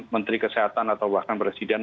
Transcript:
menteri kesehatan atau bahkan presiden